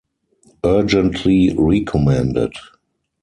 Urgently recommended!